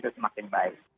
itu semakin baik